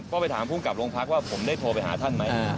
ก็ไปถามภูมิกับโรงพักว่าผมได้โทรไปหาท่านไหม